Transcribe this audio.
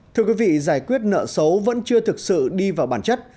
thưa quý vị giải quyết nợ xấu vẫn chưa thực sự đi vào bản chất